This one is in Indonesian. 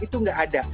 itu nggak ada